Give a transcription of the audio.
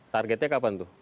targetnya kapan tuh